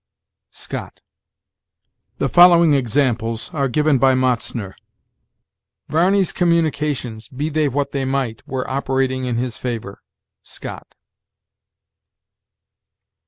Scott. "The following examples are given by Mätzner: "'Varney's communications, be they what they might, were operating in his favor.' Scott.